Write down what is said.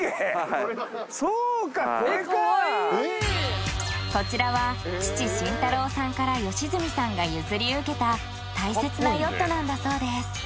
はいそうかこれかこちらは父・慎太郎さんから良純さんが譲り受けた大切なヨットなんだそうです